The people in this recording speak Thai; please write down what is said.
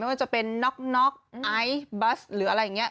ว่าจะเป็นน็อกไอซ์บัสหรืออะไรอย่างนี้